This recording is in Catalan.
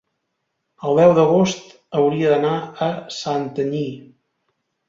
El deu d'agost hauria d'anar a Santanyí.